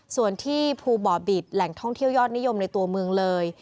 ส่วนที่ภูบ่อบิตแหล่งท่องเที่ยวยอดนิยมในตัวเมืองเลย